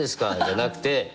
じゃなくて。